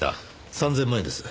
３０００万円です。